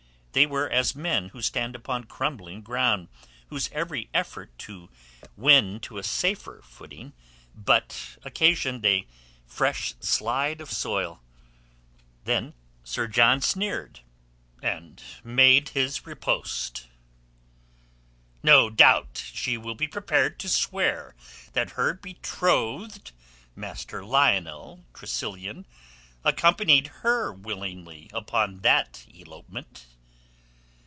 They were as men who stand upon crumbling ground, whose every effort to win to a safer footing but occasioned a fresh slide of soil. Then Sir John sneered, and made his riposte. "No doubt she will be prepared to swear that her betrothed, Master Lionel Tressilian, accompanied her willingly upon that elopement."